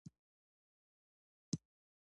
هر افغان په دې کار کې مهم دی.